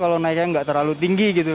kalau naiknya nggak terlalu tinggi gitu